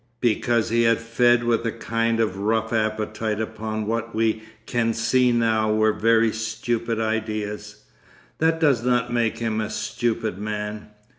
Because he had fed with a kind of rough appetite upon what we can see now were very stupid ideas, that does not make him a stupid man.